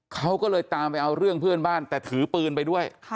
เขาก็เลยตามไปเอาเรื่องเพื่อนบ้านแต่ถือปืนไปด้วย